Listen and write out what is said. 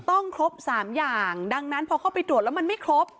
ครบ๓อย่างดังนั้นพอเข้าไปตรวจแล้วมันไม่ครบ